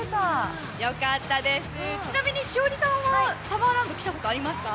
ちなみに栞里さんはサマーランド、来たことありますか？